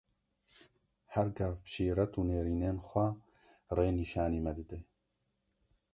Her gav bi şîret û nêrînên xwe, rê nîşanî me dide.